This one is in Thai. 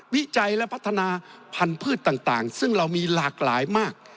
วิจัยและพัฒนาพันธุ์พืชต่างซึ่งเรามีหลากหลายมาก